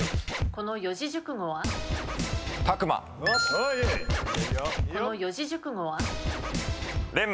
この四字熟語は？